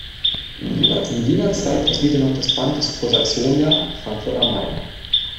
In jener Zeit erhielt er noch das Band des Corps Saxonia Frankfurt am Main.